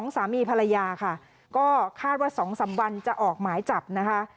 สามีภรรยาค่ะก็คาดว่า๒๓วันจะออกหมายจับนะคะ